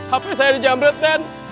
hape saya dijamret den